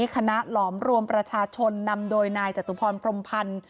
คณะหลอมรวมประชาชนนำโดยนายจตุพรพรมพันธ์